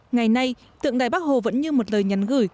ngày nay tượng đài bắc hồ vẫn như một lời nhắn gửi